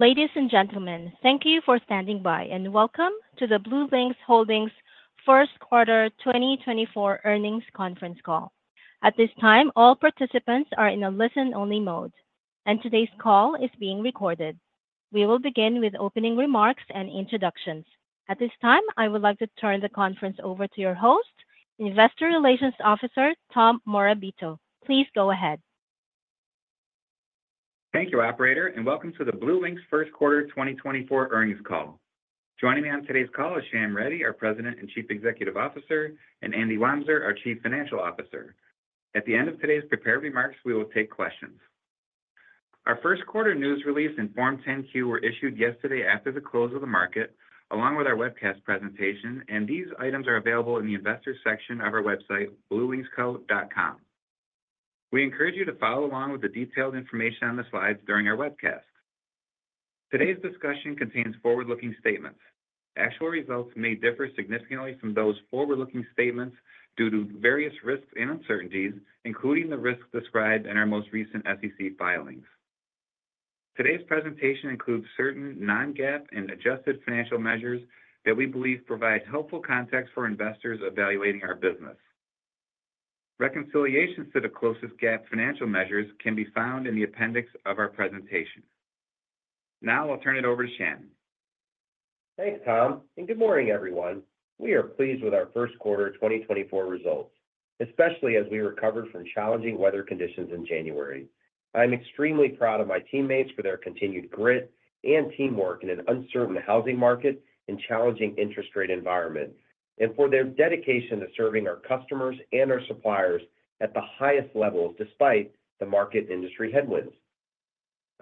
Ladies and gentlemen, thank you for standing by, and welcome to the BlueLinx Holdings First Quarter 2024 Earnings Conference Call. At this time, all participants are in a listen-only mode, and today's call is being recorded. We will begin with opening remarks and introductions. At this time, I would like to turn the conference over to your host, Investor Relations Officer, Tom Morabito. Please go ahead. Thank you, operator, and welcome to the BlueLinx First Quarter 2024 Earnings Call. Joining me on today's call is Shyam Reddy, our President and Chief Executive Officer, and Andy Wamser, our Chief Financial Officer. At the end of today's prepared remarks, we will take questions. Our first quarter news release and Form 10-Q were issued yesterday after the close of the market, along with our webcast presentation, and these items are available in the Investors section of our website, bluelinxco.com. We encourage you to follow along with the detailed information on the slides during our webcast. Today's discussion contains forward-looking statements. Actual results may differ significantly from those forward-looking statements due to various risks and uncertainties, including the risks described in our most recent SEC filings. Today's presentation includes certain non-GAAP and adjusted financial measures that we believe provide helpful context for investors evaluating our business. Reconciliations to the closest GAAP financial measures can be found in the appendix of our presentation. Now I'll turn it over to Shyam. Thanks, Tom, and good morning, everyone. We are pleased with our first quarter 2024 results, especially as we recover from challenging weather conditions in January. I'm extremely proud of my teammates for their continued grit and teamwork in an uncertain housing market and challenging interest rate environment, and for their dedication to serving our customers and our suppliers at the highest levels, despite the market industry headwinds.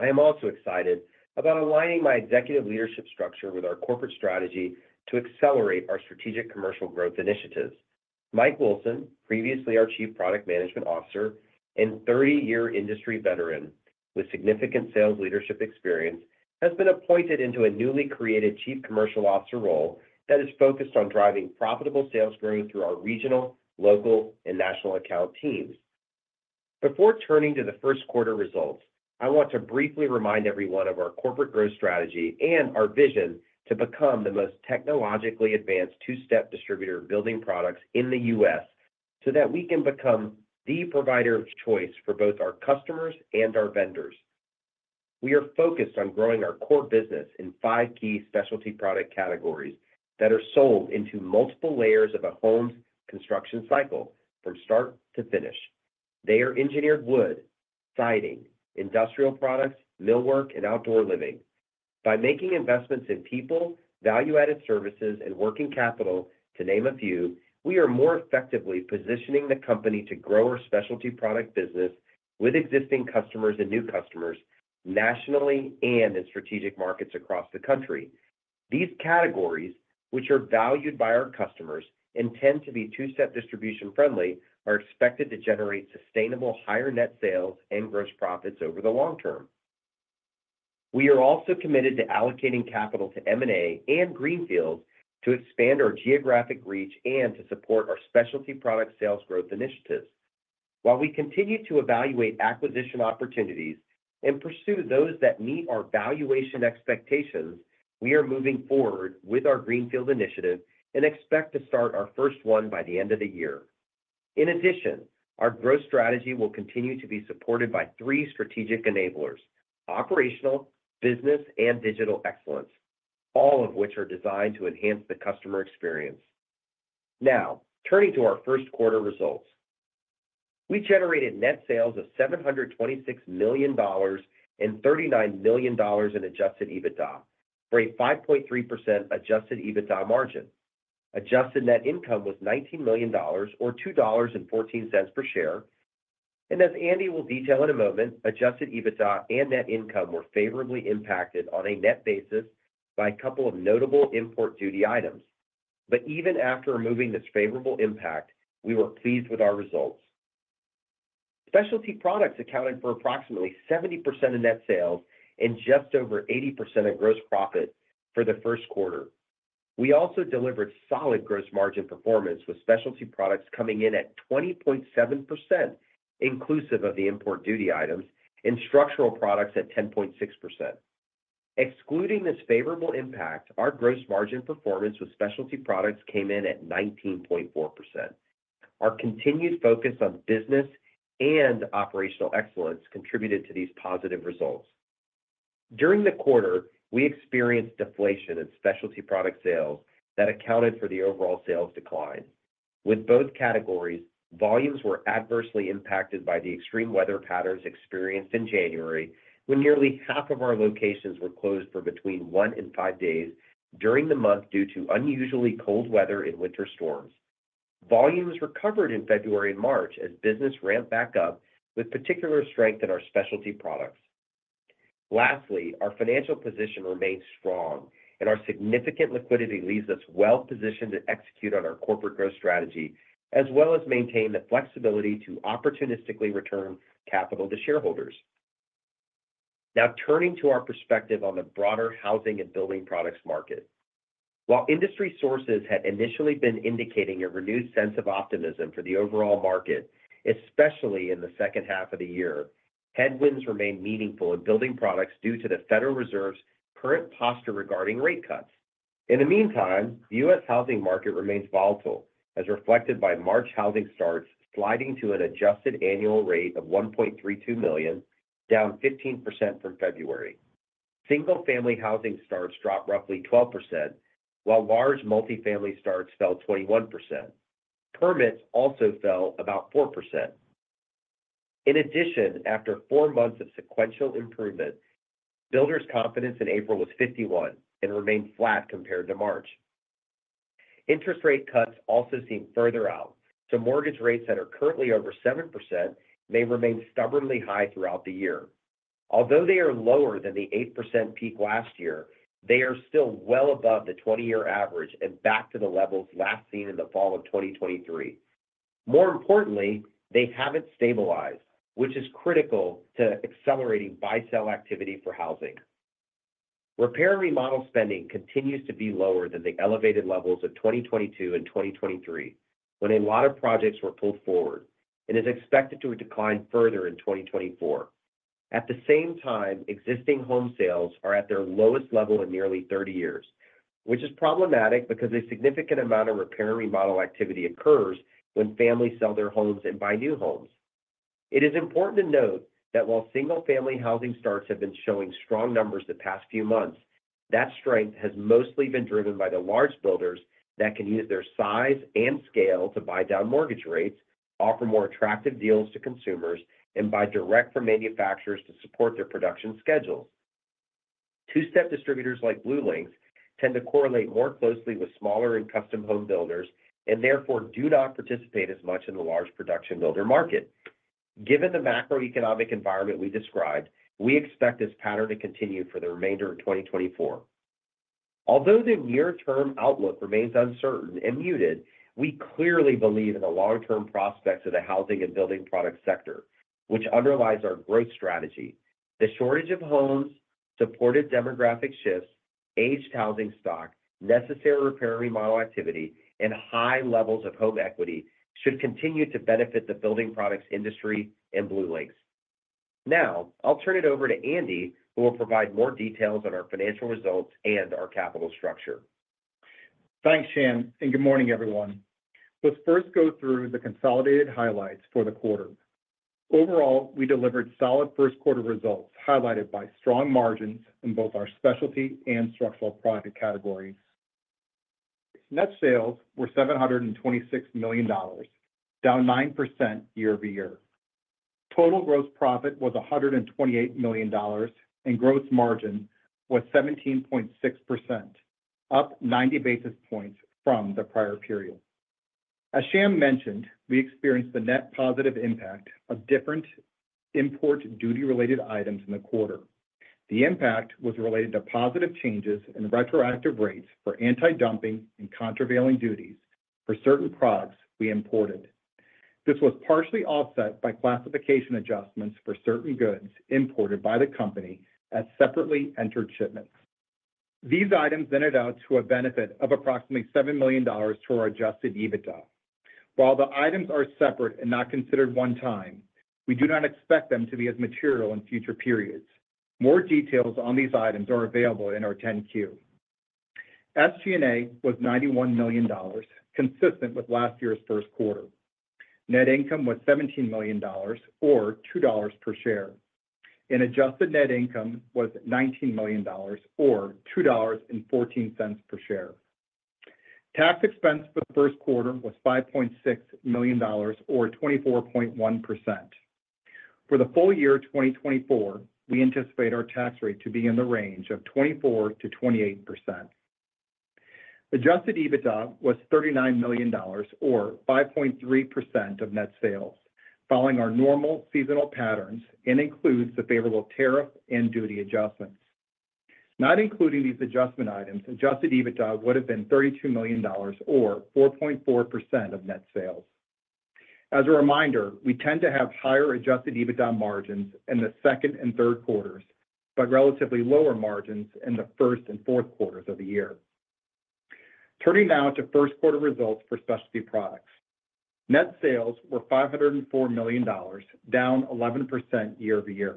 I am also excited about aligning my executive leadership structure with our corporate strategy to accelerate our strategic commercial growth initiatives. Mike Wilson, previously our Chief Product Management Officer, and 30-year industry veteran with significant sales leadership experience, has been appointed into a newly created Chief Commercial Officer role that is focused on driving profitable sales growth through our regional, local, and national account teams. Before turning to the first quarter results, I want to briefly remind everyone of our corporate growth strategy and our vision to become the most technologically advanced two-step distributor of building products in the U.S., so that we can become the provider of choice for both our customers and our vendors. We are focused on growing our core business in five key specialty product categories that are sold into multiple layers of a home's construction cycle from start to finish. They are engineered wood, siding, industrial products, millwork, and outdoor living. By making investments in people, value-added services, and working capital, to name a few, we are more effectively positioning the company to grow our specialty product business with existing customers and new customers, nationally and in strategic markets across the country. These categories, which are valued by our customers and tend to be two-step distribution friendly, are expected to generate sustainable higher net sales and gross profits over the long term. We are also committed to allocating capital to M&A and greenfields to expand our geographic reach and to support our specialty product sales growth initiatives. While we continue to evaluate acquisition opportunities and pursue those that meet our valuation expectations, we are moving forward with our greenfield initiative and expect to start our first one by the end of the year. In addition, our growth strategy will continue to be supportive by three strategic enablers: operational, business, and digital excellence, all of which are designed to enhance the customer experience. Now, turning to our first quarter results. We generated net sales of $726 million and $39 million in adjusted EBITDA, for a 5.3% adjusted EBITDA margin. Adjusted net income was $19 million or $2.14 per share, and as Andy will detail in a moment, adjusted EBITDA and net income were favorably impacted on a net basis by a couple of notable import duty items. But even after removing this favorable impact, we were pleased with our results. Specialty products accounted for approximately 70% of net sales and just over 80% of gross profit for the first quarter. We also delivered solid gross margin performance, with specialty products coming in at 20.7%, inclusive of the import duty items, and structural products at 10.6%. Excluding this favorable impact, our gross margin performance with specialty products came in at 19.4%. Our continued focus on business and operational excellence contributed to these positive results. During the quarter, we experienced deflation in specialty product sales that accounted for the overall sales decline. With both categories, volumes were adversely impacted by the extreme weather patterns experienced in January, when nearly half of our locations were closed for between one and five days during the month due to unusually cold weather and winter storms. Volumes recovered in February and March as business ramped back up, with particular strength in our specialty products. Lastly, our financial position remains strong, and our significant liquidity leaves us well positioned to execute on our corporate growth strategy, as well as maintain the flexibility to opportunistically return capital to shareholders. Now, turning to our perspective on the broader housing and building products market. While industry sources had initially been indicating a renewed sense of optimism for the overall market, especially in the second half of the year, headwinds remain meaningful in building products due to the Federal Reserve's current posture regarding rate cuts. In the meantime, the U.S. housing market remains volatile, as reflected by March housing starts sliding to an adjusted annual rate of 1.32 million, down 15% from February. Single-family housing starts dropped roughly 12%, while large multifamily starts fell 21%. Permits also fell about 4%. In addition, after four months of sequential improvement, builders' confidence in April was 51 and remained flat compared to March. Interest rate cuts also seem further out, so mortgage rates that are currently over 7% may remain stubbornly high throughout the year. Although they are lower than the 8% peak last year, they are still well above the 20-year average and back to the levels last seen in the fall of 2023. More importantly, they haven't stabilized, which is critical to accelerating buy-sell activity for housing. Repair and remodel spending continues to be lower than the elevated levels of 2022 and 2023, when a lot of projects were pulled forward, and is expected to decline further in 2024. At the same time, existing home sales are at their lowest level in nearly 30 years, which is problematic because a significant amount of repair and remodel activity occurs when families sell their homes and buy new homes. It is important to note that while single-family housing starts have been showing strong numbers the past few months, that strength has mostly been driven by the large builders that can use their size and scale to buy down mortgage rates, offer more attractive deals to consumers, and buy direct from manufacturers to support their production schedules. Two-step distributors like BlueLinx tend to correlate more closely with smaller and custom home builders, and therefore do not participate as much in the large production builder market. Given the macroeconomic environment we described, we expect this pattern to continue for the remainder of 2024. Although the near-term outlook remains uncertain and muted, we clearly believe in the long-term prospects of the housing and building product sector, which underlies our growth strategy. The shortage of homes, supported demographic shifts, aged housing stock, necessary repair and remodel activity, and high levels of home equity should continue to benefit the building products industry and BlueLinx. Now, I'll turn it over to Andy, who will provide more details on our financial results and our capital structure. Thanks, Shyam, and good morning, everyone. Let's first go through the consolidated highlights for the quarter. Overall, we delivered solid first quarter results, highlighted by strong margins in both our specialty and structural product categories. Net sales were $726 million, down 9% year-over-year. Total gross profit was $128 million, and gross margin was 17.6%, up 90 basis points from the prior period. As Shyam mentioned, we experienced the net positive impact of different import duty-related items in the quarter. The impact was related to positive changes in retroactive rates for antidumping and countervailing duties for certain products we imported. This was partially offset by classification adjustments for certain goods imported by the company as separately entered shipments. These items netted out to a benefit of approximately $7 million to our adjusted EBITDA. While the items are separate and not considered one-time, we do not expect them to be as material in future periods. More details on these items are available in our 10-Q. SG&A was $91 million, consistent with last year's first quarter. Net income was $17 million, or $2 per share, and adjusted net income was $19 million, or $2.14 per share. Tax expense for the first quarter was $5.6 million, or 24.1%. For the full year 2024, we anticipate our tax rate to be in the range of 24%-28%. Adjusted EBITDA was $39 million, or 5.3% of net sales, following our normal seasonal patterns and includes the favorable tariff and duty adjustments. Not including these adjustment items, adjusted EBITDA would have been $32 million or 4.4% of net sales. As a reminder, we tend to have higher adjusted EBITDA margins in the second and third quarters, but relatively lower margins in the first and fourth quarters of the year. Turning now to first quarter results for specialty products. Net sales were $504 million, down 11% year-over-year.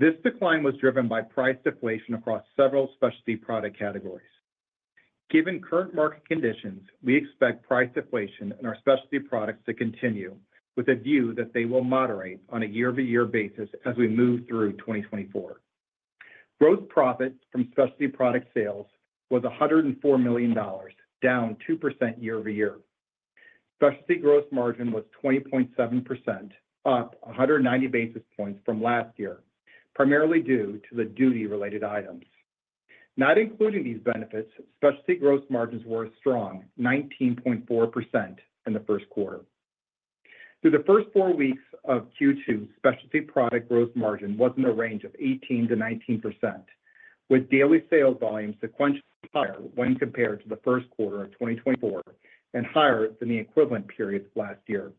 This decline was driven by price deflation across several specialty product categories. Given current market conditions, we expect price deflation in our specialty products to continue, with a view that they will moderate on a year-over-year basis as we move through 2024. Gross profit from specialty product sales was $104 million, down 2% year-over-year. Specialty gross margin was 20.7%, up 190 basis points from last year, primarily due to the duty-related items. Not including these benefits, specialty gross margins were a strong 19.4% in the first quarter. Through the first four weeks of Q2, specialty product gross margin was in the range of 18%-19%, with daily sales volumes sequentially higher when compared to the first quarter of 2024 and higher than the equivalent period last year.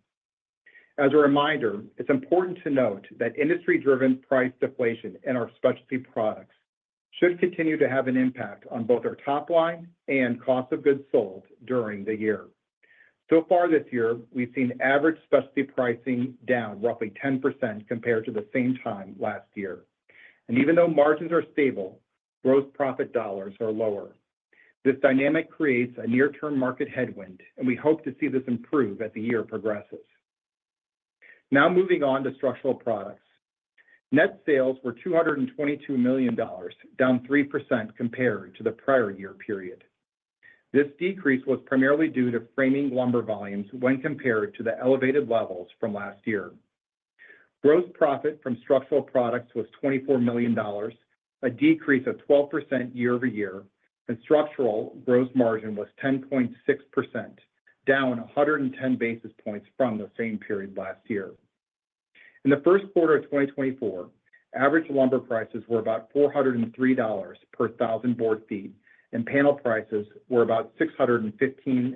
As a reminder, it's important to note that industry-driven price deflation in our specialty products should continue to have an impact on both our top line and cost of goods sold during the year. So far this year, we've seen average specialty pricing down roughly 10% compared to the same time last year. And even though margins are stable, gross profit dollars are lower. This dynamic creates a near-term market headwind, and we hope to see this improve as the year progresses. Now moving on to structural products. Net sales were $222 million, down 3% compared to the prior year period. This decrease was primarily due to framing lumber volumes when compared to the elevated levels from last year. Gross profit from structural products was $24 million, a decrease of 12% year-over-year, and structural gross margin was 10.6%, down 110 basis points from the same period last year. In the first quarter of 2024, average lumber prices were about $403 per thousand board feet, and panel prices were about $615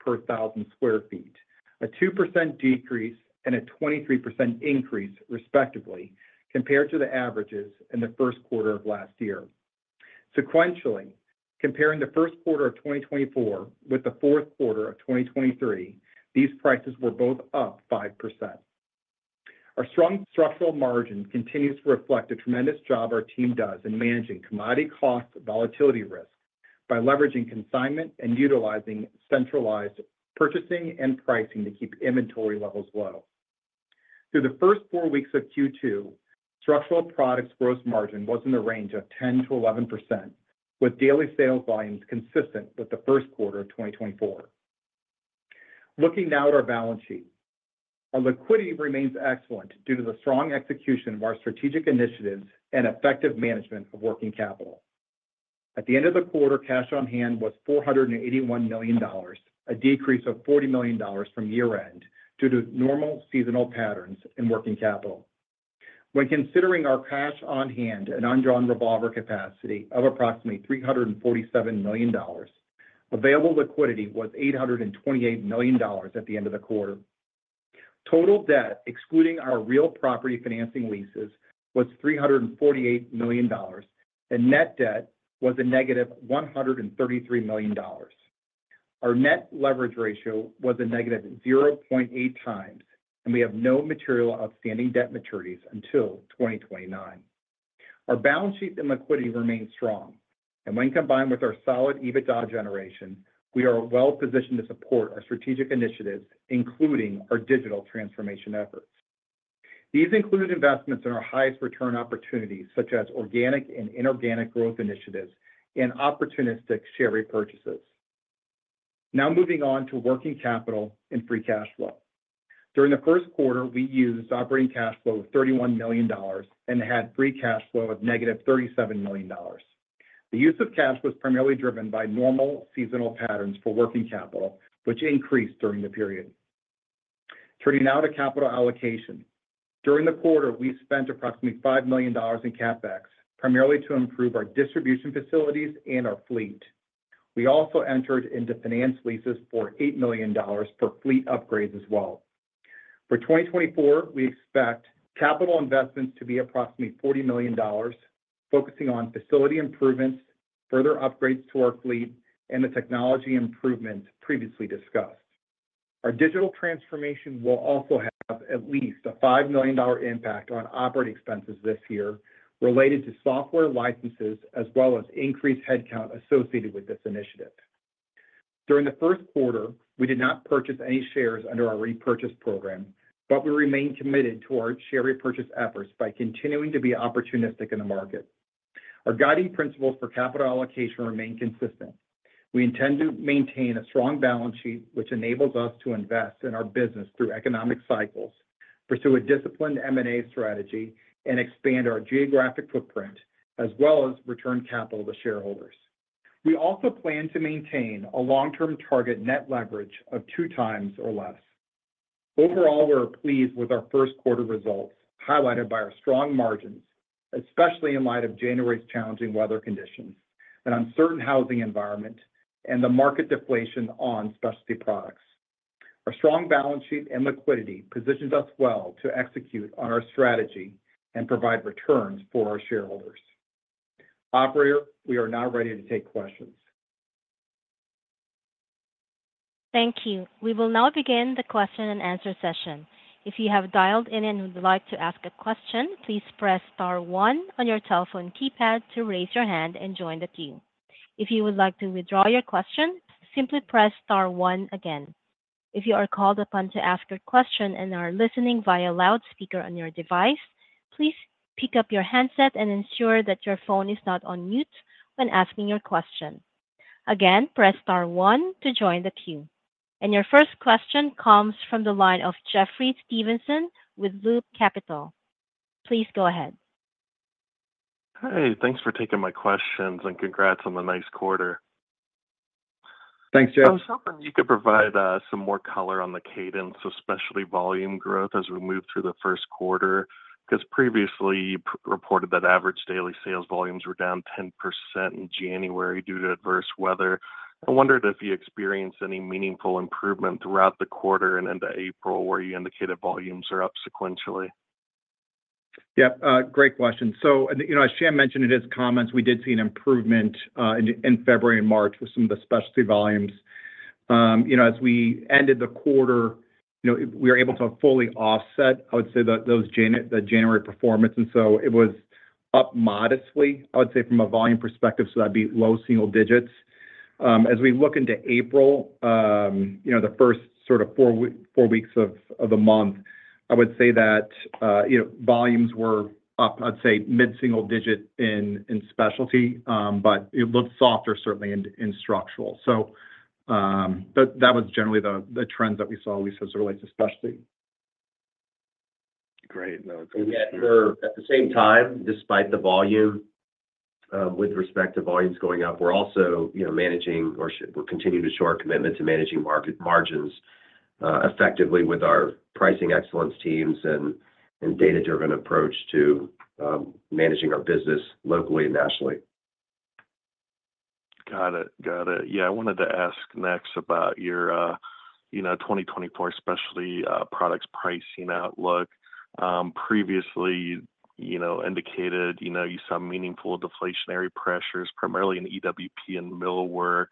per thousand square feet, a 2% decrease and a 23% increase, respectively, compared to the averages in the first quarter of last year. Sequentially, comparing the first quarter of 2024 with the fourth quarter of 2023, these prices were both up 5%. Our strong structural margin continues to reflect the tremendous job our team does in managing commodity cost volatility risk by leveraging consignment and utilizing centralized purchasing and pricing to keep inventory levels low. Through the first four weeks of Q2, structural products gross margin was in the range of 10%-11%, with daily sales volumes consistent with the first quarter of 2024. Looking now at our balance sheet. Our liquidity remains excellent due to the strong execution of our strategic initiatives and effective management of working capital. At the end of the quarter, cash on hand was $481 million, a decrease of $40 million from year-end due to normal seasonal patterns in working capital. When considering our cash on hand and undrawn revolver capacity of approximately $347 million, available liquidity was $828 million at the end of the quarter. Total debt, excluding our real property financing leases, was $348 million, and net debt was negative $133 million. Our net leverage ratio was negative 0.8x, and we have no material outstanding debt maturities until 2029. Our balance sheet and liquidity remain strong, and when combined with our solid EBITDA generation, we are well positioned to support our strategic initiatives, including our digital transformation efforts. These include investments in our highest return opportunities, such as organic and inorganic growth initiatives and opportunistic share repurchases. Now moving on to working capital and free cash flow. During the first quarter, we used operating cash flow of $31 million and had free cash flow of -$37 million. The use of cash was primarily driven by normal seasonal patterns for working capital, which increased during the period. Turning now to capital allocation. During the quarter, we spent approximately $5 million in CapEx, primarily to improve our distribution facilities and our fleet. We also entered into finance leases for $8 million for fleet upgrades as well. For 2024, we expect capital investments to be approximately $40 million, focusing on facility improvements, further upgrades to our fleet, and the technology improvements previously discussed. Our digital transformation will also have at least a $5 million impact on operating expenses this year related to software licenses, as well as increased headcount associated with this initiative. During the first quarter, we did not purchase any shares under our repurchase program, but we remain committed to our share repurchase efforts by continuing to be opportunistic in the market. Our guiding principles for capital allocation remain consistent. We intend to maintain a strong balance sheet, which enables us to invest in our business through economic cycles, pursue a disciplined M&A strategy, and expand our geographic footprint, as well as return capital to shareholders. We also plan to maintain a long-term target net leverage of 2x or less. Overall, we are pleased with our first quarter results, highlighted by our strong margins, especially in light of January's challenging weather conditions and uncertain housing environment and the market deflation on specialty products. Our strong balance sheet and liquidity positions us well to execute on our strategy and provide returns for our shareholders. Operator, we are now ready to take questions. Thank you. We will now begin the question-and-answer session. If you have dialed in and would like to ask a question, please press star one on your telephone keypad to raise your hand and join the queue. If you would like to withdraw your question, simply press star one again. If you are called upon to ask a question and are listening via loudspeaker on your device, please pick up your handset and ensure that your phone is not on mute when asking your question. Again, press star one to join the queue. Your first question comes from the line of Jeffrey Stevenson with Loop Capital. Please go ahead. Hi, thanks for taking my questions, and congrats on the nice quarter. Thanks, Jeff. I was hoping you could provide some more color on the cadence, especially volume growth, as we move through the first quarter.... 'cause previously, you reported that average daily sales volumes were down 10% in January due to adverse weather. I wondered if you experienced any meaningful improvement throughout the quarter and into April, where you indicated volumes are up sequentially? Yeah, great question. So, you know, as Shyam mentioned in his comments, we did see an improvement in February and March with some of the specialty volumes. You know, as we ended the quarter, you know, we were able to fully offset, I would say, those January performance, and so it was up modestly, I would say, from a volume perspective, so that'd be low single digits. As we look into April, you know, the first sort of four weeks of the month, I would say that, you know, volumes were up, I'd say, mid-single digit in specialty, but it looked softer certainly in structural. So, but that was generally the trends that we saw at least as it relates to specialty. Great. Now- And yet we're at the same time, despite the volume, with respect to volumes going up, we're also, you know, managing or we're continuing to show our commitment to managing market margins, effectively with our pricing excellence teams and, and data-driven approach to, managing our business locally and nationally. Got it. Got it. Yeah, I wanted to ask next about your, you know, 2024 specialty products pricing outlook. Previously, you know, indicated, you know, you saw meaningful deflationary pressures, primarily in EWP and millwork,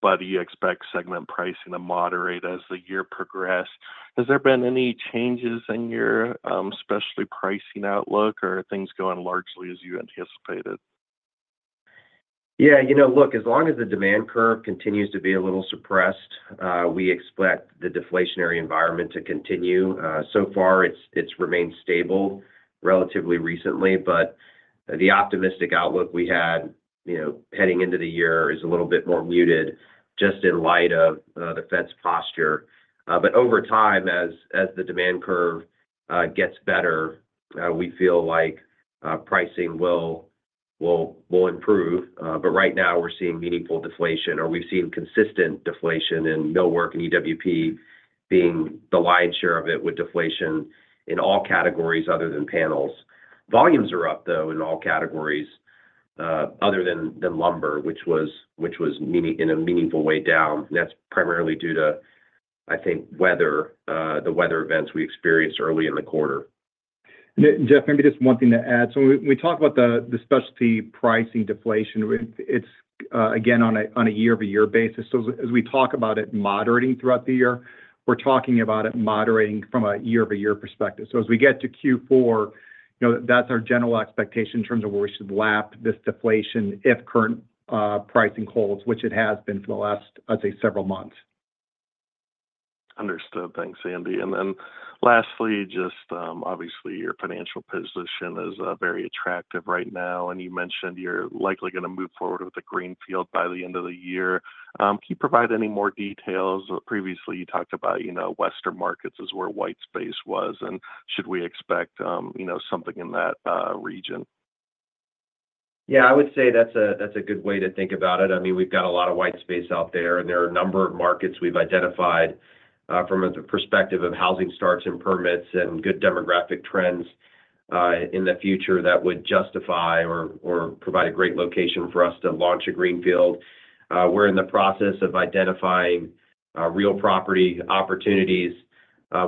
but you expect segment pricing to moderate as the year progressed. Has there been any changes in your, specialty pricing outlook, or are things going largely as you anticipated? Yeah, you know, look, as long as the demand curve continues to be a little suppressed, we expect the deflationary environment to continue. So far, it's remained stable relatively recently, but the optimistic outlook we had, you know, heading into the year is a little bit more muted, just in light of the Fed's posture. But over time, as the demand curve gets better, we feel like pricing will improve. But right now, we're seeing meaningful deflation, or we've seen consistent deflation in millwork and EWP being the lion's share of it, with deflation in all categories other than panels. Volumes are up, though, in all categories, other than lumber, which was in a meaningful way down, and that's primarily due to, I think, weather, the weather events we experienced early in the quarter. And Jeff, maybe just one thing to add. So when we talk about the specialty pricing deflation, it's again on a year-over-year basis. So as we talk about it moderating throughout the year, we're talking about it moderating from a year-over-year perspective. So as we get to Q4, you know, that's our general expectation in terms of where we should lap this deflation if current pricing holds, which it has been for the last, I'd say, several months. Understood. Thanks, Andy. And then, lastly, just, obviously, your financial position is very attractive right now, and you mentioned you're likely gonna move forward with the greenfield by the end of the year. Can you provide any more details? Previously, you talked about, you know, Western markets as where white space was, and should we expect, you know, something in that region? Yeah, I would say that's a good way to think about it. I mean, we've got a lot of white space out there, and there are a number of markets we've identified from a perspective of housing starts, and permits, and good demographic trends in the future that would justify or provide a great location for us to launch a greenfield. We're in the process of identifying real property opportunities,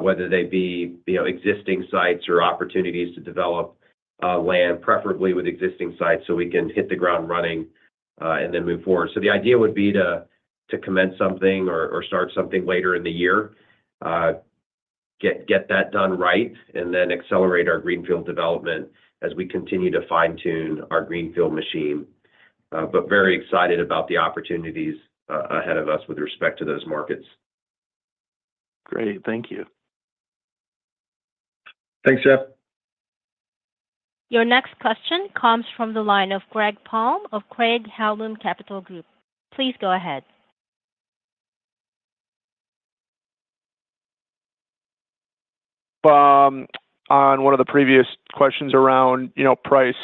whether they be, you know, existing sites or opportunities to develop land, preferably with existing sites, so we can hit the ground running, and then move forward. So the idea would be to commence something or start something later in the year. Get that done right, and then accelerate our greenfield development as we continue to fine-tune our greenfield machine. But very excited about the opportunities, ahead of us with respect to those markets. Great. Thank you. Thanks, Jeff. Your next question comes from the line of Greg Palm of Craig-Hallum Capital Group. Please go ahead. On one of the previous questions around, you know, price,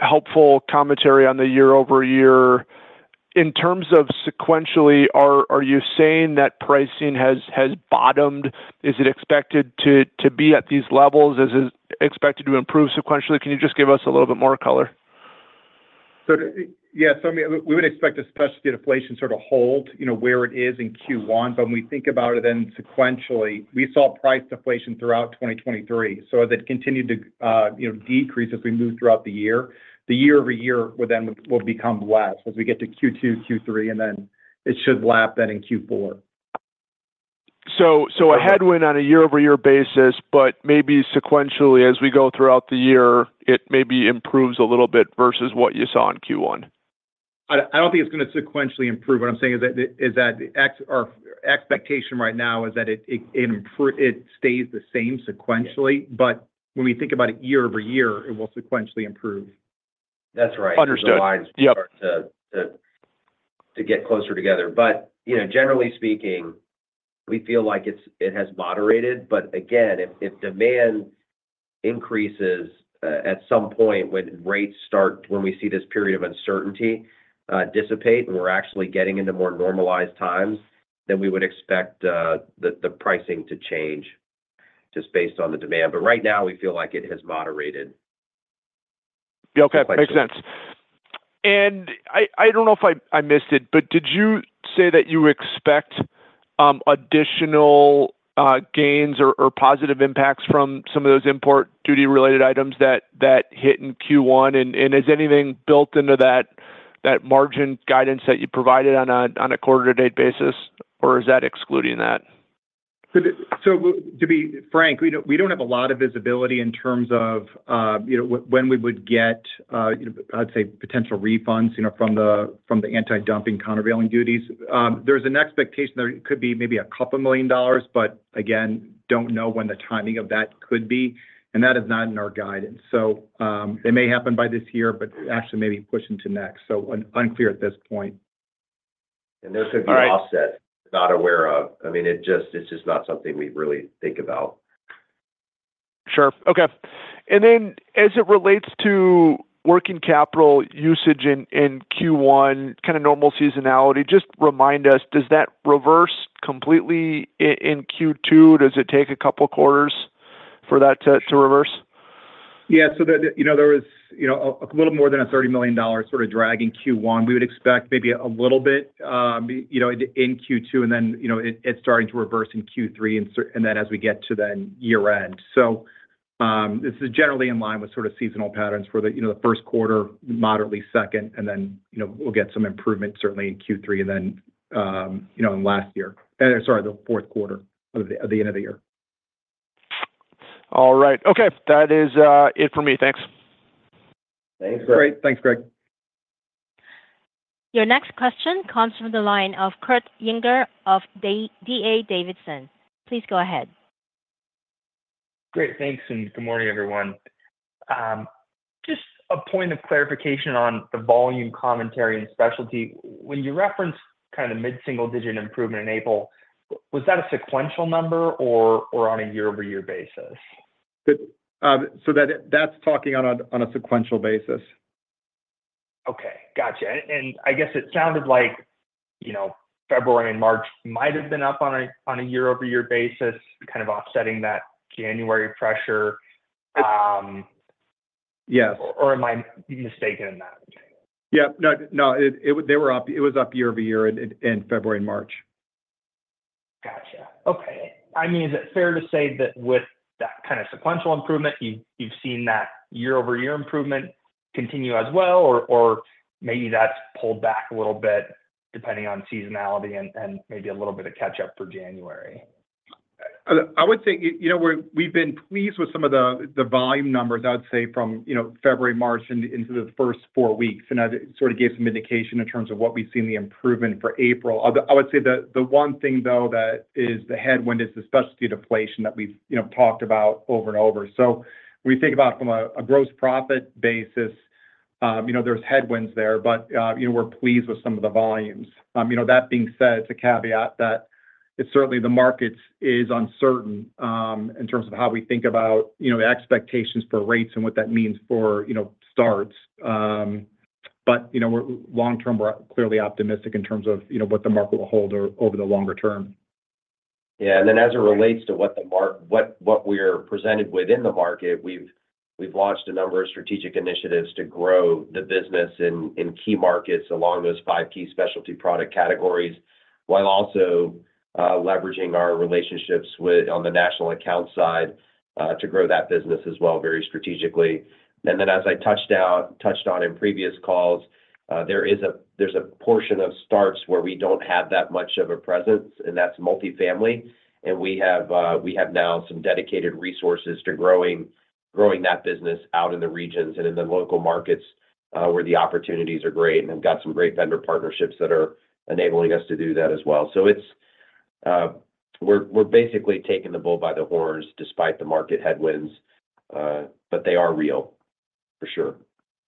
helpful commentary on the year-over-year. In terms of sequentially, are you saying that pricing has bottomed? Is it expected to be at these levels? Is it expected to improve sequentially? Can you just give us a little bit more color? So, I mean, we would expect the specialty deflation sort of hold, you know, where it is in Q1. But when we think about it then sequentially, we saw price deflation throughout 2023, so as it continued to, you know, decrease as we moved throughout the year, the year-over-year would then will become less as we get to Q2, Q3, and then it should lap then in Q4. So, a headwind on a year-over-year basis, but maybe sequentially as we go throughout the year, it maybe improves a little bit versus what you saw in Q1? I don't think it's gonna sequentially improve. What I'm saying is that our expectation right now is that it stays the same sequentially, but when we think about it year-over-year, it will sequentially improve. That's right. Understood. The lines- Yep... start to get closer together. But, you know, generally speaking, we feel like it has moderated. But again, if demand increases at some point when rates start, when we see this period of uncertainty dissipate, and we're actually getting into more normalized times-... then we would expect the pricing to change just based on the demand. But right now, we feel like it has moderated. Yeah, okay, makes sense. And I don't know if I missed it, but did you say that you expect additional gains or positive impacts from some of those import duty-related items that hit in Q1? And is anything built into that margin guidance that you provided on a quarter-to-date basis, or is that excluding that? So, to be frank, we don't have a lot of visibility in terms of when we would get, I'd say potential refunds from the anti-dumping countervailing duties. There's an expectation that it could be maybe a couple million dollars, but again, don't know when the timing of that could be, and that is not in our guidance. So, it may happen by this year, but actually maybe push into next. So unclear at this point. And there could be- All right... an offset we're not aware of. I mean, it just, it's just not something we really think about. Sure. Okay. And then, as it relates to working capital usage in Q1, kind of normal seasonality, just remind us, does that reverse completely in Q2? Does it take a couple of quarters for that to reverse? Yeah. So the, you know, there was, you know, a little more than a $30 million sort of drag in Q1. We would expect maybe a little bit, you know, in Q2, and then, you know, starting to reverse in Q3, and then as we get to year-end. So, this is generally in line with sort of seasonal patterns for the, you know, the first quarter, moderately second, and then, you know, we'll get some improvement, certainly in Q3, and then, you know, in last year... the fourth quarter, of the end of the year. All right. Okay. That is it for me. Thanks. Thanks, Greg. Great. Thanks, Greg. Your next question comes from the line of Kurt Yinger of D.A. Davidson. Please go ahead. Great. Thanks, and good morning, everyone. Just a point of clarification on the volume commentary and specialty. When you referenced kind of mid-single-digit improvement in April, was that a sequential number or, or on a year-over-year basis? Good. So that's talking on a sequential basis. Okay. Gotcha. And, and I guess it sounded like, you know, February and March might have been up on a, on a year-over-year basis, kind of offsetting that January pressure, Yes. Or am I mistaken in that? Yeah. No, no, it-- they were up. It was up year-over-year in February and March. Gotcha. Okay. I mean, is it fair to say that with that kind of sequential improvement, you've seen that year-over-year improvement continue as well, or maybe that's pulled back a little bit, depending on seasonality and maybe a little bit of catch-up for January? I would say, you know, we've been pleased with some of the volume numbers, I'd say from, you know, February, March, and into the first four weeks, and that sort of gave some indication in terms of what we've seen, the improvement for April. I would say the one thing, though, that is the headwind is the specialty deflation that we've, you know, talked about over and over. So when we think about from a gross profit basis, you know, there's headwinds there, but, you know, we're pleased with some of the volumes. You know, that being said, it's a caveat that it's certainly the markets is uncertain, in terms of how we think about, you know, the expectations for rates and what that means for, you know, starts. But, you know, we're long term, we're clearly optimistic in terms of, you know, what the market will hold over the longer term. Yeah. And then as it relates to what we're presented with in the market, we've launched a number of strategic initiatives to grow the business in key markets along those five key specialty product categories, while also leveraging our relationships with, on the national account side, to grow that business as well, very strategically. And then, as I touched on in previous calls, there's a portion of starts where we don't have that much of a presence, and that's multifamily. And we have now some dedicated resources to growing that business out in the regions and in the local markets where the opportunities are great. And we've got some great vendor partnerships that are enabling us to do that as well. So it's... We're, we're basically taking the bull by the horns despite the market headwinds, but they are real, for sure.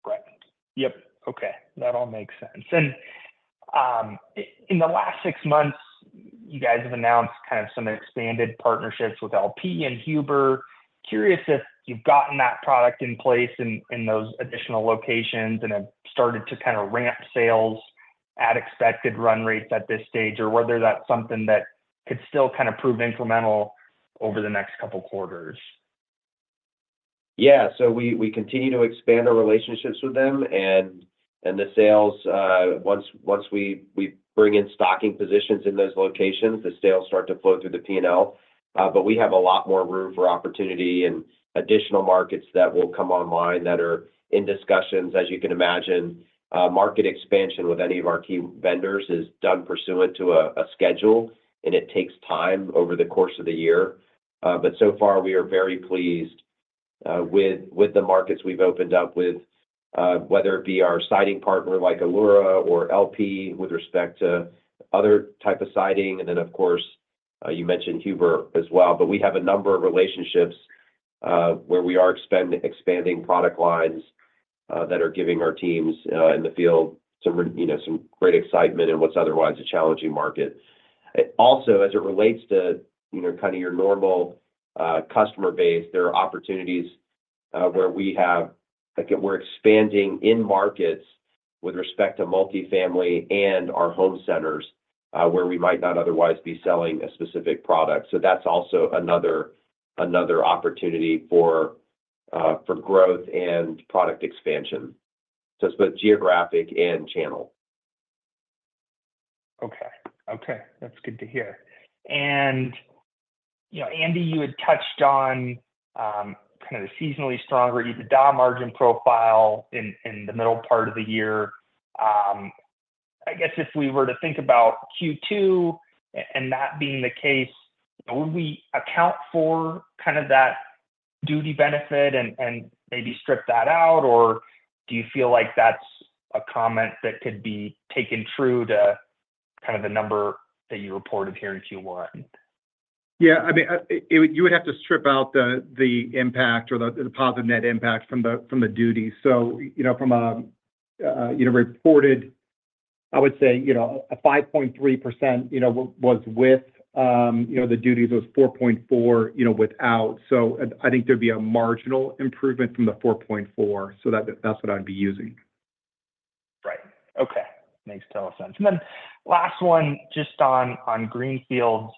Right. Yep. Okay, that all makes sense. And in the last six months, you guys have announced kind of some expanded partnerships with LP and Huber. Curious if you've gotten that product in place in those additional locations and have started to kind of ramp sales at expected run rates at this stage, or whether that's something that could still kind of prove incremental over the next couple quarters. Yeah. So we continue to expand our relationships with them and the sales, once we bring in stocking positions in those locations, the sales start to flow through the P&L. But we have a lot more room for opportunity and additional markets that will come online that are in discussions. As you can imagine, market expansion with any of our key vendors is done pursuant to a schedule, and it takes time over the course of the year. But so far, we are very pleased with the markets we've opened up with, whether it be our siding partner like Allura or LP, with respect to other type of siding. And then, of course, you mentioned Huber as well. But we have a number of relationships where we are expanding product lines that are giving our teams in the field you know, some great excitement in what's otherwise a challenging market. Also, as it relates to you know, kind of your normal customer base, there are opportunities where we have, like we're expanding in markets with respect to multifamily and our home centers where we might not otherwise be selling a specific product. So that's also another, another opportunity for for growth and product expansion. So it's both geographic and channel. Okay. Okay, that's good to hear. And, you know, Andy, you had touched on kind of the seasonally stronger EBITDA margin profile in the middle part of the year. I guess if we were to think about Q2, and that being the case, would we account for kind of that duty benefit and maybe strip that out? Or do you feel like that's a comment that could be taken through to kind of the number that you reported here in Q1? Yeah, I mean, you would have to strip out the, the impact or the, the positive net impact from the, from the duty. So, you know, from a reported, I would say, you know, a 5.3%, you know, was with, you know, the duty, was 4.4, you know, without. So I think there'd be a marginal improvement from the 4.4, so that's what I'd be using. Right. Okay. Makes total sense. And then last one, just on greenfields.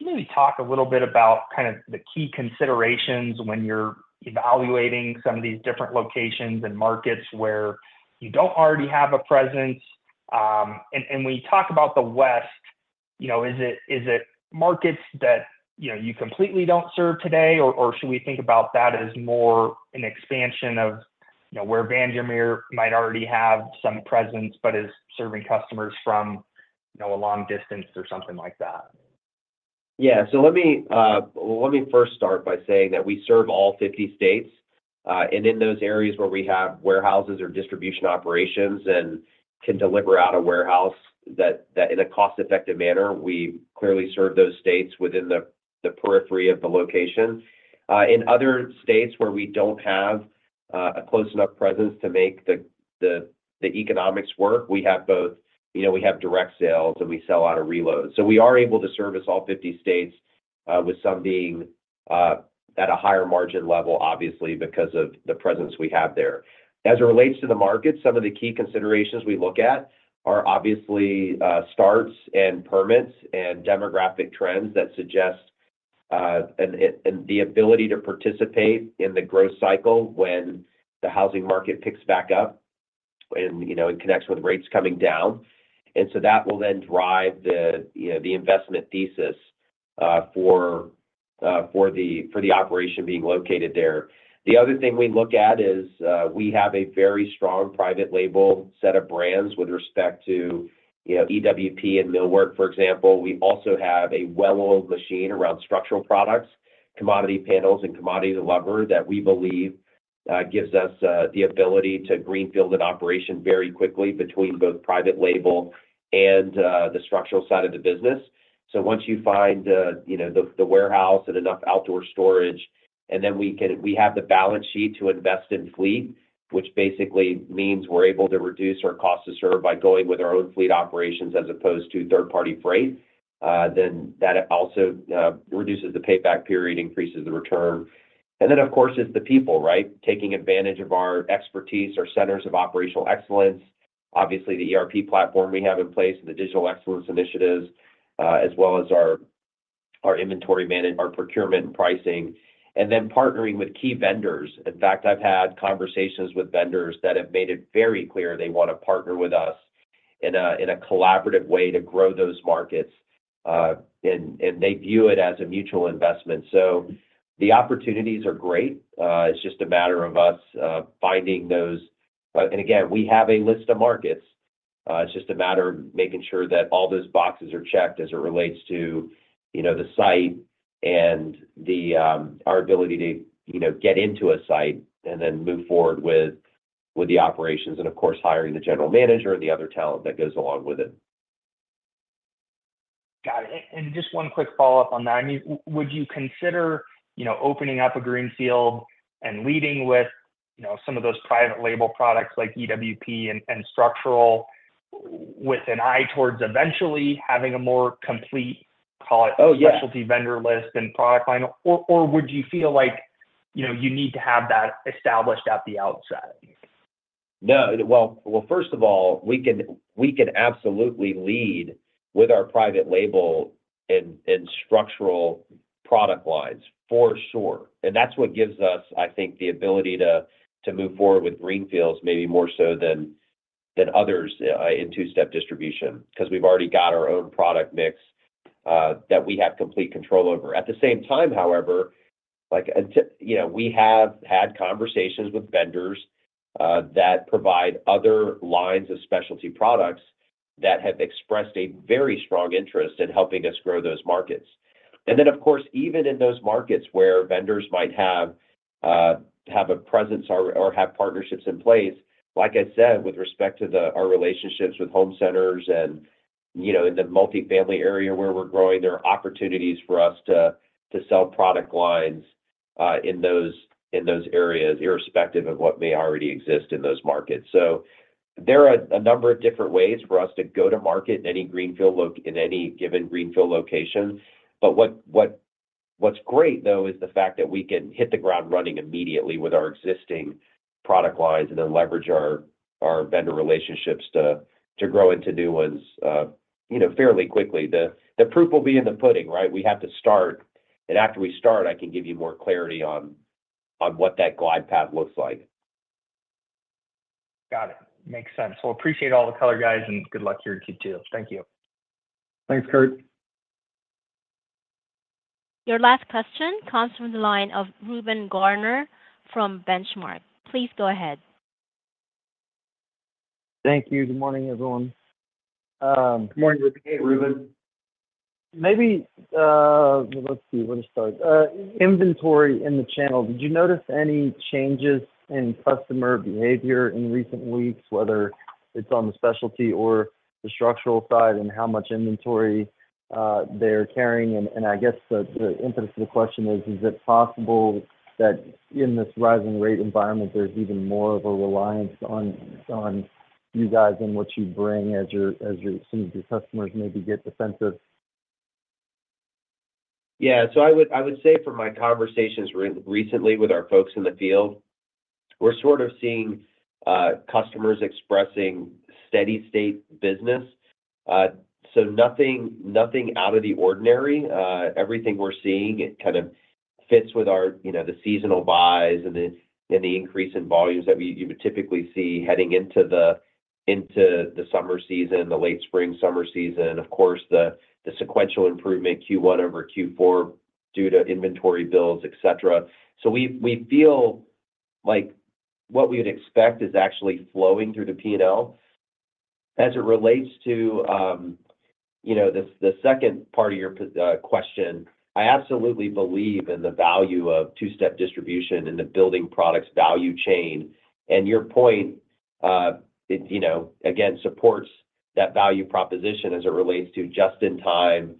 Can you talk a little bit about kind of the key considerations when you're evaluating some of these different locations and markets where you don't already have a presence? And when you talk about the West, you know, is it markets that, you know, you completely don't serve today? Or should we think about that as more an expansion of, you know, where we might already have some presence but is serving customers from, you know, a long distance or something like that? Yeah. So let me first start by saying that we serve all 50 states, and in those areas where we have warehouses or distribution operations and can deliver out a warehouse that in a cost-effective manner, we clearly serve those states within the periphery of the location. In other states where we don't have a close enough presence to make the economics work, we have both, you know, we have direct sales, and we sell out of reload. So we are able to service all 50 states, with some being at a higher margin level, obviously, because of the presence we have there. As it relates to the market, some of the key considerations we look at are obviously, starts and permits and demographic trends that suggest, and the ability to participate in the growth cycle when the housing market picks back up and, you know, in connection with rates coming down. So that will then drive the, you know, the investment thesis, for the operation being located there. The other thing we look at is, we have a very strong private label set of brands with respect to, you know, EWP and Millwork, for example. We also have a well-oiled machine around structural products, commodity panels, and commodity delivery, that we believe, gives us, the ability to greenfield an operation very quickly between both private label and, the structural side of the business. So once you find the, you know, the warehouse and enough outdoor storage, and then we have the balance sheet to invest in fleet, which basically means we're able to reduce our cost to serve by going with our own fleet operations as opposed to third-party freight, then that also reduces the payback period, increases the return. And then, of course, it's the people, right? Taking advantage of our expertise, our centers of operational excellence, obviously, the ERP platform we have in place and the digital excellence initiatives, as well as our procurement and pricing, and then partnering with key vendors. In fact, I've had conversations with vendors that have made it very clear they want to partner with us in a collaborative way to grow those markets, and they view it as a mutual investment. So the opportunities are great. It's just a matter of us finding those. And again, we have a list of markets. It's just a matter of making sure that all those boxes are checked as it relates to, you know, the site and our ability to, you know, get into a site and then move forward with the operations, and of course, hiring the general manager and the other talent that goes along with it. Got it. Just one quick follow-up on that. I mean, would you consider, you know, opening up a greenfield and leading with, you know, some of those private label products like EWP and Structural with an eye towards eventually having a more complete, call it- Oh, yes.... specialty vendor list and product line? Or, or would you feel like, you know, you need to have that established at the outset? No. Well, first of all, we can absolutely lead with our private label and structural product lines, for sure. And that's what gives us, I think, the ability to move forward with greenfields, maybe more so than others in two-step distribution, 'cause we've already got our own product mix that we have complete control over. At the same time, however, like, you know, we have had conversations with vendors that provide other lines of specialty products that have expressed a very strong interest in helping us grow those markets. And then, of course, even in those markets where vendors might have a presence or have partnerships in place, like I said, with respect to our relationships with home centers and, you know, in the multifamily area where we're growing, there are opportunities for us to sell product lines in those areas, irrespective of what may already exist in those markets. So, there are a number of different ways for us to go to market in any given greenfield location. But what's great though is the fact that we can hit the ground running immediately with our existing product lines and then leverage our vendor relationships to grow into new ones, you know, fairly quickly. The proof will be in the pudding, right? We have to start, and after we start, I can give you more clarity on what that glide path looks like. Got it. Makes sense. So, appreciate all the color, guys, and good luck your Q2. Thank you. Thanks, Kurt. Your last question comes from the line of Reuben Garner from Benchmark. Please go ahead. Thank you. Good morning, everyone. Good morning, Reuben. Hey, Reuben. Maybe... Let's see, where to start? Inventory in the channel, did you notice any changes in customer behavior in recent weeks, whether it's on the specialty or the structural side, and how much inventory they're carrying? And I guess the emphasis of the question is, is it possible that in this rising rate environment, there's even more of a reliance on you guys and what you bring as your customers maybe get defensive? Yeah. So I would, I would say from my conversations recently with our folks in the field, we're sort of seeing customers expressing steady state business. So nothing, nothing out of the ordinary. Everything we're seeing, it kind of fits with our, you know, the seasonal buys and the, and the increase in volumes that you would typically see heading into the, into the summer season, the late spring, summer season. Of course, the sequential improvement Q1 over Q4 due to inventory builds, et cetera. So we, we feel like what we would expect is actually flowing through the P&L. As it relates to, you know, the second part of your question, I absolutely believe in the value of two-step distribution and the building products value chain. And your point, you know, again, supports that value proposition as it relates to just-in-time,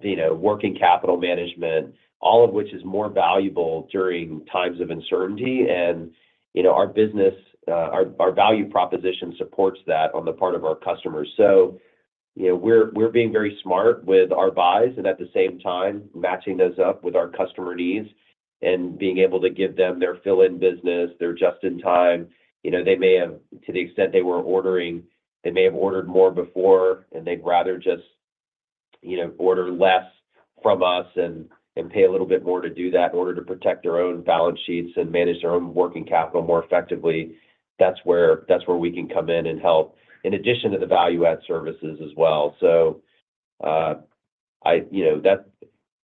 you know, working capital management, all of which is more valuable during times of uncertainty. And, you know, our business, our value proposition supports that on the part of our customers. So, you know, we're being very smart with our buys and at the same time, matching those up with our customer needs and being able to give them their fill-in business, their just-in-time. You know, they may have, to the extent they were ordering, they may have ordered more before, and they'd rather just, you know, order less from us and pay a little bit more to do that in order to protect their own balance sheets and manage their own working capital more effectively. That's where we can come in and help, in addition to the value-add services as well. So, you know,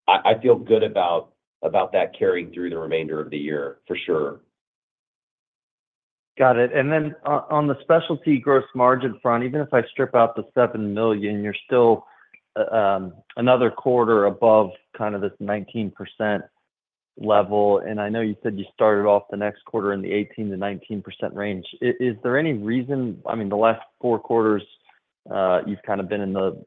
I feel good about that carrying through the remainder of the year, for sure. Got it. And then on the specialty gross margin front, even if I strip out the $7 million, you're still another quarter above kind of this 19% level. And I know you said you started off the next quarter in the 18%-19% range. Is there any reason... I mean, the last four quarters, you've kind of been in the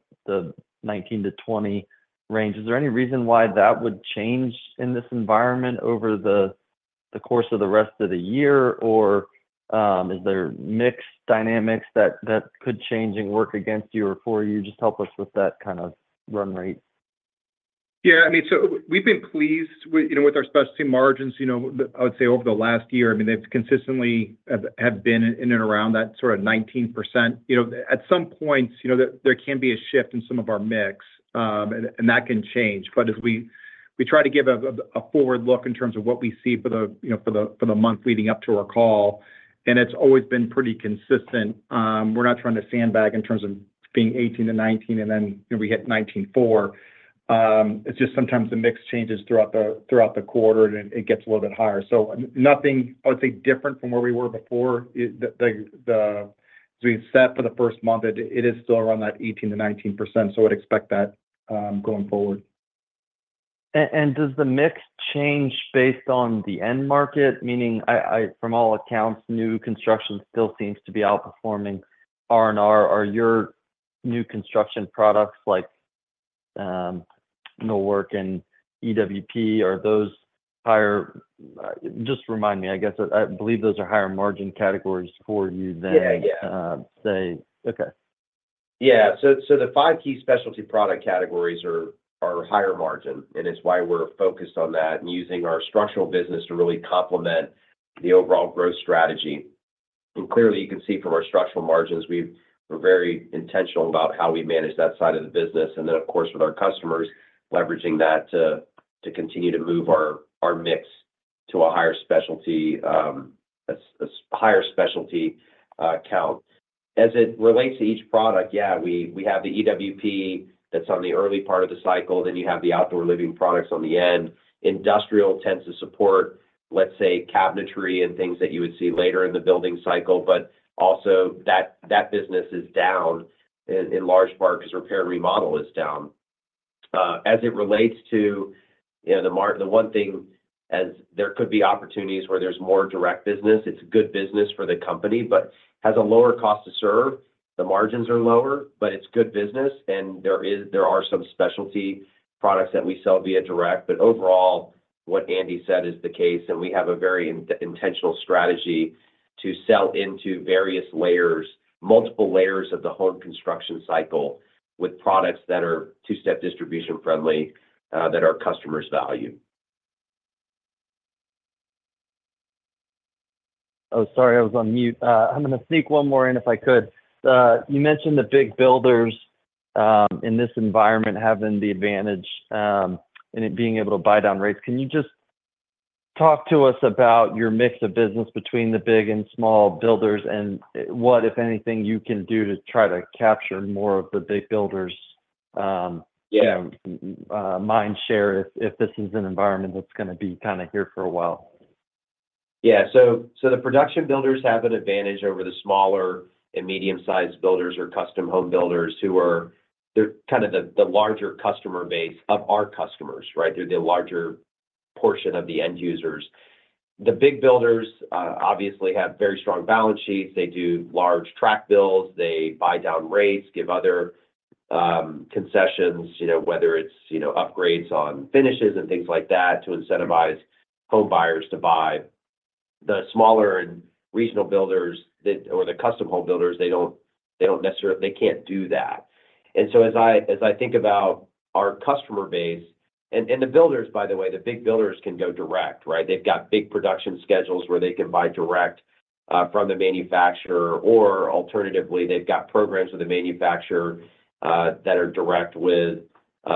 19%-20% range. Is there any reason why that would change in this environment over the course of the rest of the year? Or, is there mix dynamics that could change and work against you or for you? Just help us with that kind of run rate. Yeah, I mean, so we've been pleased with, you know, with our specialty margins, you know, I would say over the last year. I mean, they've consistently have been in and around that sort of 19%. You know, at some points, you know, there can be a shift in some of our mix, and that can change. But as we try to give a forward look in terms of what we see for the, you know, for the month leading up to our call, and it's always been pretty consistent. We're not trying to sandbag in terms of being 18%-19%, and then, you know, we hit 19.4. It's just sometimes the mix changes throughout the quarter, and it gets a little bit higher. So nothing, I would say, different from where we were before. As we set for the first month, it is still around that 18%-19%, so I'd expect that going forward. And does the mix change based on the end market? Meaning, I, I-- from all accounts, new construction still seems to be outperforming R&R. Are your new construction products like, Millwork and EWP, are those higher... Just remind me, I guess. I believe those are higher margin categories for you than- Yeah. Yeah.... say. Okay. Yeah. So the five key specialty product categories are higher margin, and it's why we're focused on that and using our structural business to really complement the overall growth strategy. And clearly, you can see from our structural margins, we're very intentional about how we manage that side of the business, and then, of course, with our customers, leveraging that to continue to move our mix to a higher specialty count. As it relates to each product, yeah, we have the EWP that's on the early part of the cycle, then you have the outdoor living products on the end. Industrial tends to support, let's say, cabinetry and things that you would see later in the building cycle, but also that business is down in large part because repair and remodel is down. As it relates to, you know, the one thing, as there could be opportunities where there's more direct business, it's good business for the company, but has a lower cost to serve. The margins are lower, but it's good business, and there are some specialty products that we sell via direct, but overall what Andy said is the case, and we have a very intentional strategy to sell into various layers, multiple layers of the home construction cycle, with products that are two-step distribution-friendly, that our customers value. Oh, sorry, I was on mute. I'm gonna sneak one more in, if I could. You mentioned the big builders in this environment having the advantage in it being able to buy down rates. Can you just talk to us about your mix of business between the big and small builders, and what, if anything, you can do to try to capture more of the big builders'? Yeah. mind share, if, if this is an environment that's gonna be kinda here for a while? Yeah. So the production builders have an advantage over the smaller and medium-sized builders or custom home builders who are. They're kind of the larger customer base of our customers, right? They're the larger portion of the end users. The big builders obviously have very strong balance sheets. They do large tract builds, they buy down rates, give other concessions, you know, whether it's, you know, upgrades on finishes and things like that, to incentivize home buyers to buy. The smaller and regional builders or the custom home builders, they don't necessarily—they can't do that. And so as I think about our customer base. And the builders, by the way, the big builders can go direct, right? They've got big production schedules where they can buy direct from the manufacturer, or alternatively, they've got programs with the manufacturer that are direct with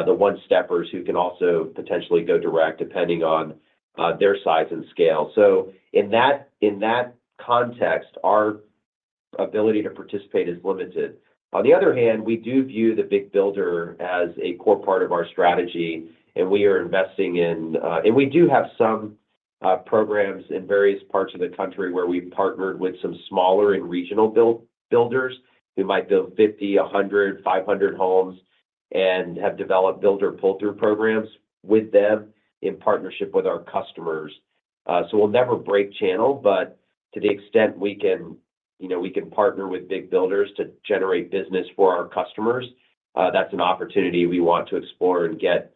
the one-steppers, who can also potentially go direct, depending on their size and scale. So in that context, our ability to participate is limited. On the other hand, we do view the big builder as a core part of our strategy, and we are investing in. And we do have some programs in various parts of the country where we've partnered with some smaller and regional builders who might build 50, 100, 500 homes, and have developed builder pull-through programs with them in partnership with our customers. So we'll never break channel, but to the extent we can, you know, we can partner with big builders to generate business for our customers, that's an opportunity we want to explore and get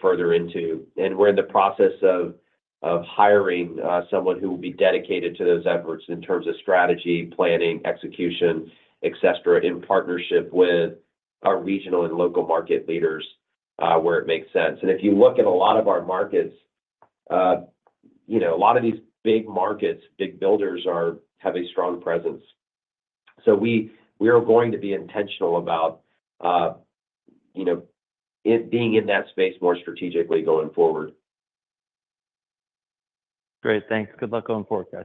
further into. And we're in the process of hiring someone who will be dedicated to those efforts in terms of strategy, planning, execution, et cetera, in partnership with our regional and local market leaders, where it makes sense. And if you look at a lot of our markets, you know, a lot of these big markets, big builders have a strong presence. So we are going to be intentional about, you know, it being in that space more strategically going forward. Great. Thanks. Good luck going forward, guys.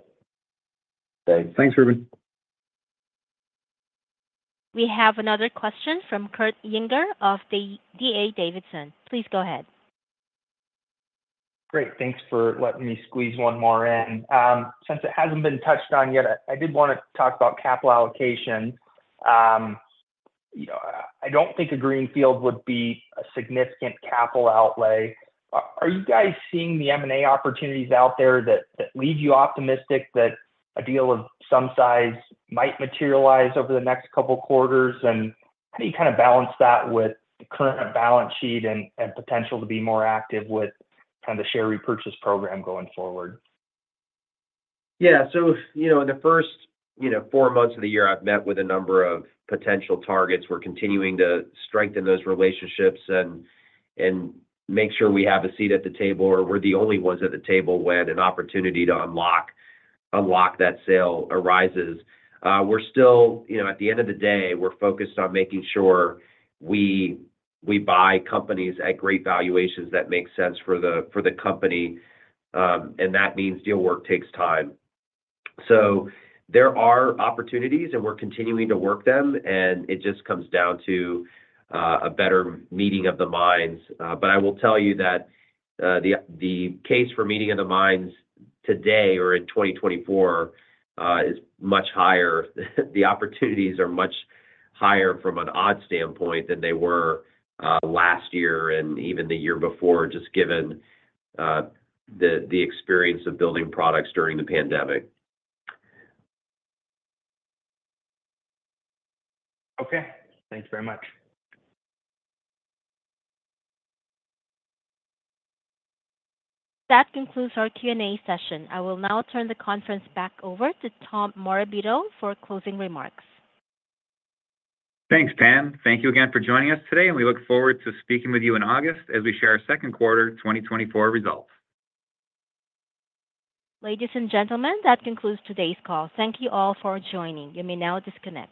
Thanks. Thanks, Reuben. We have another question from Kurt Yinger of the D.A. Davidson. Please go ahead. Great. Thanks for letting me squeeze one more in. Since it hasn't been touched on yet, I did wanna talk about capital allocation. You know, I don't think a greenfield would be a significant capital outlay. Are you guys seeing the M&A opportunities out there that leave you optimistic that a deal of some size might materialize over the next couple quarters? And how do you kind of balance that with the current balance sheet and potential to be more active with kind of the share repurchase program going forward? Yeah. So, you know, in the first, you know, four months of the year, I've met with a number of potential targets. We're continuing to strengthen those relationships and make sure we have a seat at the table, or we're the only ones at the table when an opportunity to unlock that sale arises. We're still... You know, at the end of the day, we're focused on making sure we buy companies at great valuations that make sense for the company, and that means deal work takes time. So there are opportunities, and we're continuing to work them, and it just comes down to a better meeting of the minds. But I will tell you that the case for meeting of the minds today or in 2024 is much higher. The opportunities are much higher from an odds standpoint than they were last year and even the year before, just given the experience of building products during the pandemic. Okay. Thanks very much. That concludes our Q&A session. I will now turn the conference back over to Tom Morabito for closing remarks. Thanks, Pam. Thank you again for joining us today, and we look forward to speaking with you in August as we share our second quarter 2024 results. Ladies and gentlemen, that concludes today's call. Thank you all for joining. You may now disconnect.